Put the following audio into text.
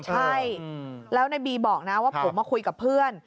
ใช่แล้วในบีบอกนะว่าผมมาคุยกับเพื่อน